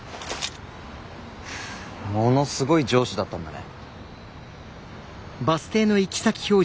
ものすごい上司だったんだね。